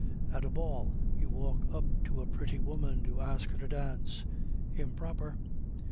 At a ball you walk up to a pretty woman to ask her to dance 'improper.